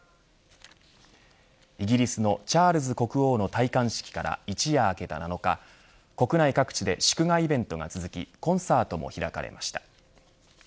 イギリスのチャールズ国王の戴冠式から一夜明けた７日国内各地で祝賀イベントが続きコンサートも開かれました。